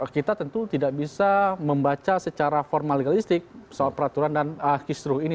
kita tentu tidak bisa membaca secara formal legalistik soal peraturan dan kistru ini